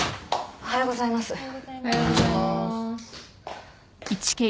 おはようございます。